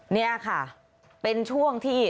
นี่ค่ะเป็นช่วงที่